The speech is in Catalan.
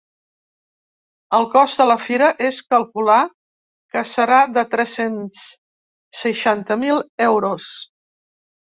El cost de la fira es calcular que serà de tres-cents seixanta mil euros.